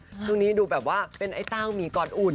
ตรวจยุ่งนี้ดูแบบว่าเป็นต้างมีกอดอุ่น